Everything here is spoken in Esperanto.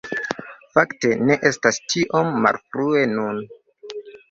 Fakte, ne estas tiom malfrue nun